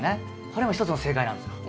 これも一つの正解なんですよ。